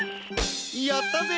やったぜ！